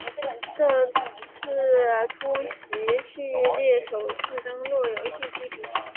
这是突袭系列首次登陆游戏机平台。